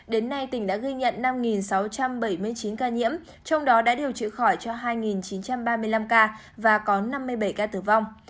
đến nay tỉnh đã ghi nhận năm sáu trăm bảy mươi chín ca nhiễm trong đó đã điều trị khỏi cho hai chín trăm ba mươi năm ca và có năm mươi bảy ca tử vong